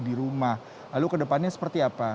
di rumah lalu kedepannya seperti apa